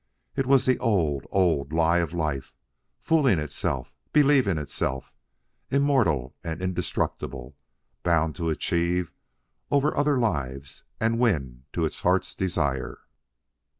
It was the old, old lie of Life fooling itself, believing itself immortal and indestructible, bound to achieve over other lives and win to its heart's desire.